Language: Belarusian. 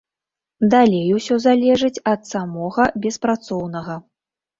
Далей ўсё залежыць ад самога беспрацоўнага.